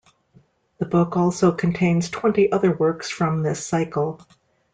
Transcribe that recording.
The book also contains twenty other works from this cycle.